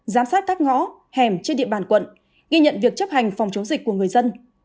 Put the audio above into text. giám sát các ngõ hẻm trên địa bàn quận ghi nhận việc chấp hành phòng chống dịch của người dân